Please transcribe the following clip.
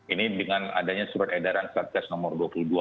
ini dengan adanya surat edaran satgas nomor dua puluh dua